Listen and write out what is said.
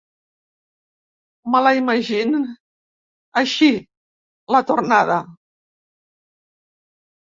Me la imagín així, la tornada.